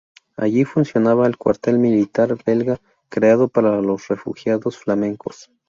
Allí funcionaba el cuartel militar belga, creado para los refugiados flamencos.